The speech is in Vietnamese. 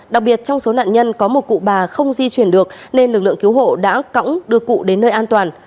đặc biệt trong số nạn nhân có một cụ bà không di chuyển được nên lực lượng cứu hộ đã cõng đưa cụ đến nơi an toàn